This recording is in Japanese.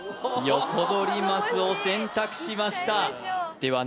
ヨコドリマスを選択しましたでは